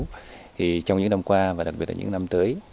thì trong những năm qua và đặc biệt là những năm tới